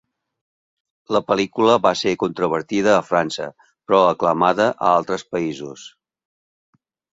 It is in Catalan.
La pel·lícula va ser controvertida a França però aclamada a altres paises.